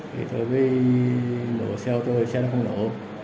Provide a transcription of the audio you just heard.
thì tôi thấy nổ xe ô tô thì xe nó không nổ